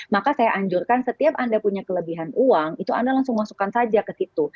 maka saya anjurkan setiap anda punya kelebihan uang itu anda langsung masukkan saja ke situ